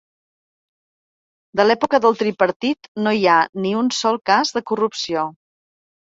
De l’època del tripartit no hi ha ni un sol cas de corrupció.